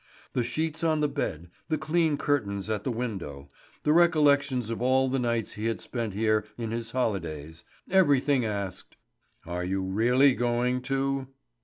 The sheets on the bed, the clean curtains at the window, the recollections of all the nights he had spent here in his holidays everything asked: "Are you really going to?"